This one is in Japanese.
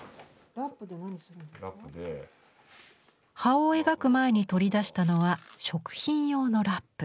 葉を描く前に取り出したのは食品用のラップ。